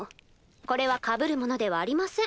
これはかぶるものではありません。